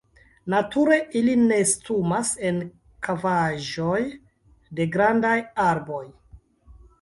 Nature ili nestumas en kavaĵoj de grandaj arboj.